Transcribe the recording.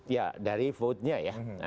ya dari vote nya ya